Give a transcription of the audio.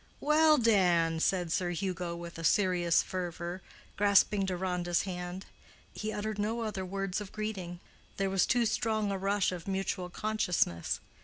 "Well, Dan," said Sir Hugo, with a serious fervor, grasping Deronda's hand. He uttered no other words of greeting; there was too strong a rush of mutual consciousness.